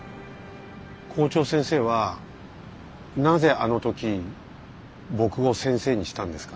校長先生はなぜあの時僕を先生にしたんですか？